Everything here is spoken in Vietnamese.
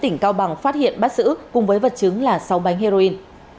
tỉnh cao bằng phát hiện bắt giữ cùng với vật chứng là sáu bánh heroin